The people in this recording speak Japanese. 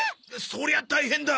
そりゃ大変だ！